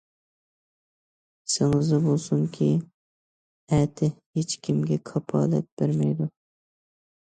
ئېسىڭىزدە بولسۇنكى، ئەتە ھېچكىمگە كاپالەت بەرمەيدۇ.